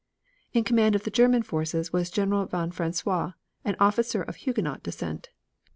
In command of the German forces was General von Francois, an officer of Huguenot descent.